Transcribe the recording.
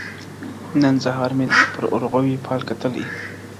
• نن سهار مي پر اورغوي فال کتلی -